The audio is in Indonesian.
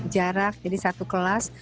jarak jadi satu kelas